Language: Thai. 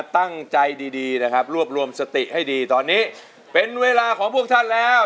ตั้งใจดีดีนะครับรวบรวมสติให้ดีตอนนี้เป็นเวลาของพวกท่านแล้ว